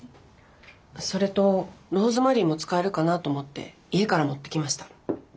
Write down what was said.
それとローズマリーも使えるかなと思って家から持ってきました。